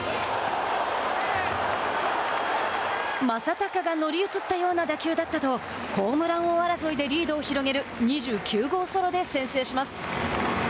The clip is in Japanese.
正尚が乗り移ったような打球だったとホームラン王争いでリードを広げる２９号ソロで先制します。